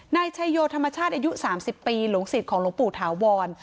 นายชัยโยธรรมชาติอายุ๓๐ปีหลวงศิษย์ของหลวงปู่ถาวร